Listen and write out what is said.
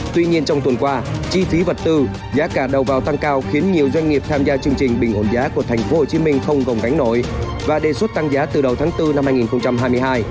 tuy nhiên trong tuần qua chi phí vật tư giá cả đầu vào tăng cao khiến nhiều doanh nghiệp tham gia chương trình bình ổn giá của tp hcm không gồng gánh nổi và đề xuất tăng giá từ đầu tháng bốn năm hai nghìn hai mươi hai